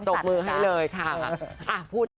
บมือให้เลยค่ะ